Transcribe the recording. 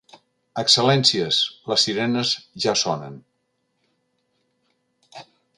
Excel·lències, les sirenes ja sonen.